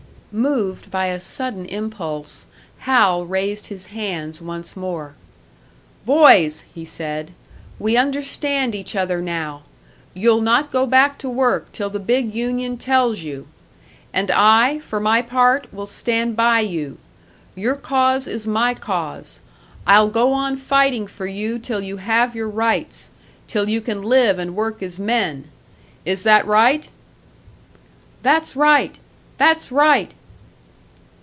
Moved by a sudden impulse, Hal raised his hands once more. "Boys," he said, "we understand each other now. You'll not go back to work till the big union tells you. And I, for my part, will stand by you. Your cause is my cause, I'll go on fighting for you till you have your rights, till you can live and work as men! Is that right?" "That's right! That's right!"